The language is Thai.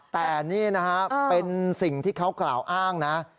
แต่นี่นะฮะเป็นสิ่งที่เขากล่าวอ้างนะ